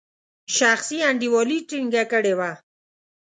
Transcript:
شخصي انډیوالي ټینګه کړې وه.